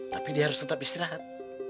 tapi dia harus tetap istirahat